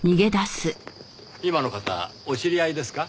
今の方お知り合いですか？